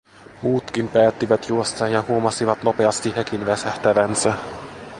Muutkin päättivät juosta, ja huomasivat nopeasti hekin väsähtävänsä.